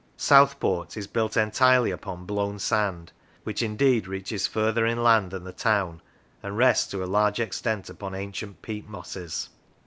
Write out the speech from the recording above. Southport is built entirely upon blown sand, which, indeed, reaches further inland than the town, and rests to a large extent upon ancient peat mosses.